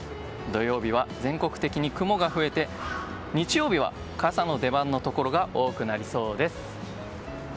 土曜日は全国的に雲が増えて日曜日は、傘の出番のところが多くなりそうです。